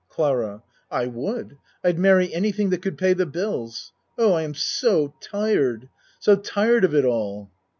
CLARA I would. I'd marry anything that could pay the bills. Oh, I am so tired so tired of it all.